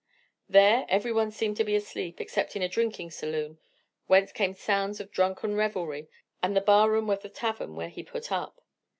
There every one seemed to be asleep except in a drinking saloon, whence came sounds of drunken revelry, and the bar room of the tavern where he put up.